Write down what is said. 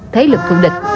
thế lực thủ địch